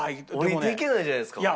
下りていけないじゃないですか。